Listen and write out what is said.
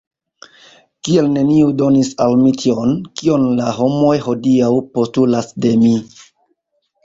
Kial neniu donis al mi tion, kion la homoj hodiaŭ postulas de mi?